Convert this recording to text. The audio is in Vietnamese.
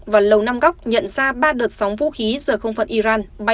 và lầu năm góc nhận ra ba đợt sóng vũ khí giữa không phận iran